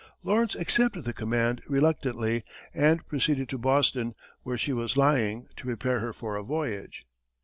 Lawrence accepted the command reluctantly, and proceeded to Boston, where she was lying, to prepare her for a voyage.